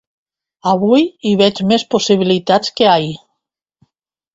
Avui hi veig més possibilitats que ahir.